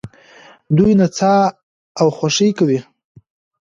دوی نڅا او خوښي کوي.